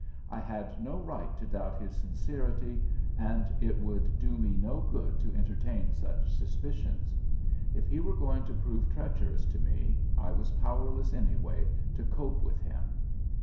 I had no right to doubt his sincerity, and it would do me no good to entertain such suspicions. If he was going to prove treacherous to me, I was powerless, anyway, to cope with him.